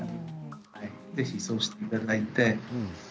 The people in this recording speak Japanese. ぜひ、そうしていただいて。